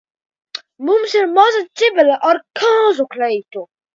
Mums ir maza ķibele ar kāzu kleitu.